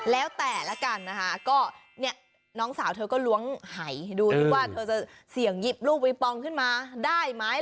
แล้วแต่ละกันนะคะก็เนี่ยน้องสาวเธอก็ล้วงไห่ให้ดูที่ว่าเธอจะเสี่ยงหยิบลูกวิงปองขึ้นมาได้ไหม